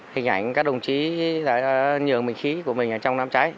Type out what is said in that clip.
hình ảnh các đồng chí đã nhường bình khí của mình ở trong đám cháy